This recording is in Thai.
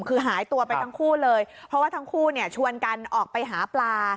คือหายตัวไปทั้งคู่เลยเพราะว่าทั้งคู่เนี่ยชวนกันออกไปหาปลา